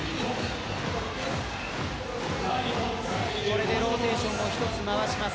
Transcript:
これでローテーションを１つ回します。